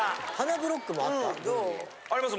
あります。